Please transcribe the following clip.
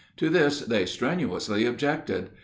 To this they strenuously objected.